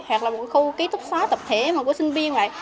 hoặc là một khu ký túc xóa tập thể mà của sinh viên vậy